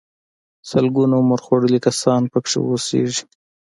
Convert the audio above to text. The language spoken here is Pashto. سلګونه عمر خوړلي کسان پکې اوسيږي.